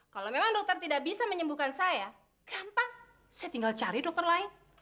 kalau memang dokter tidak bisa menyembuhkan saya gampang saya tinggal cari dokter lain